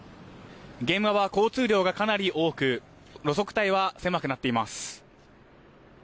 現場は交通量がかなり多く路側帯は狭くなっています。